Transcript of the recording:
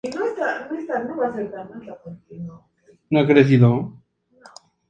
Fue diputado, senador y ministro de Industria.